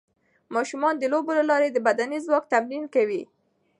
ماشومان د لوبو له لارې د بدني ځواک تمرین کوي.